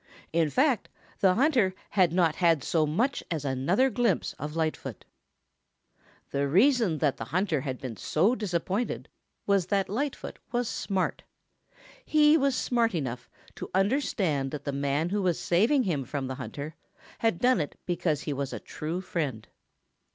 In fact, the hunter had not had so much as another glimpse of Lightfoot. The reason that the hunter had been so disappointed was that Lightfoot was smart. He was smart enough to understand that the man who was saving him from the hunter had done it because he was a true friend.